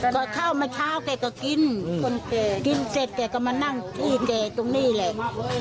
ก็เข้าเมื่อเช้าแกก็กินอืมคนเก่กินเสร็จแกก็มานั่งที่เก่ตรงนี้เลย